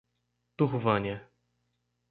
Turvânia